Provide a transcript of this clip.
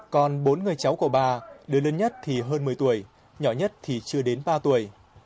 còn bốn người cháu của bà đứa lớn nhất thì hơn một mươi tuổi nhỏ nhất thì chưa đến ba tuổi